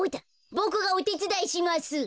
ボクがおてつだいします。